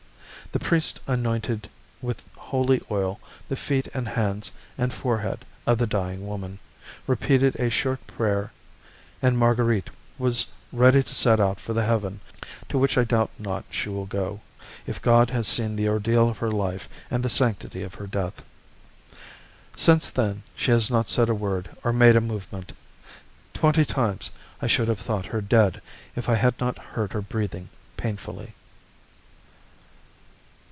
The priest anointed with holy oil the feet and hands and forehead of the dying woman, repeated a short prayer, and Marguerite was ready to set out for the heaven to which I doubt not she will go, if God has seen the ordeal of her life and the sanctity of her death. Since then she has not said a word or made a movement. Twenty times I should have thought her dead if I had not heard her breathing painfully.